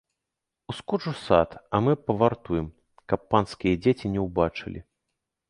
Ускоч у сад, а мы павартуем, каб панскія дзеці не ўбачылі.